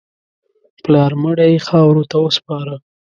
پلار مړی یې خاورو ته وسپاره.